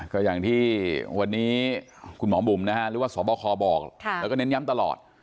ก็อย่างที่วันนี้คุณหมอบุ๋มนะฮะหรือว่าสบคบอกแล้วก็เน้นย้ำตลอด